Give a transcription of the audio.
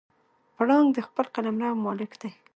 پړانګ د خپل قلمرو مالک دی.